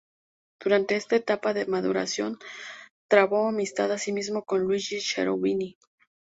Durante esta etapa de maduración, trabó amistad asimismo con Luigi Cherubini.